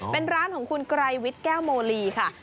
เป็นร้านของคุณไกรวิทย์แก้วโมลีค่ะ